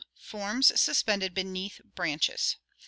Forms suspended beneath branches.